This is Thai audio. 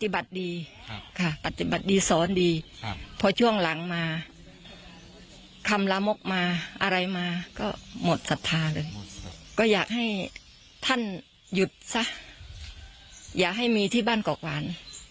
บ่ายวันนี้ค่ะพระมหาภัยวัน